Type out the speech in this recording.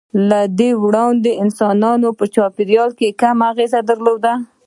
له دې وړاندې انسانانو پر چاپېریال کم اغېز درلود.